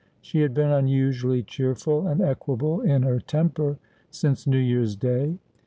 She had been unusually cheerful and equable in her temper since New Tear's Day.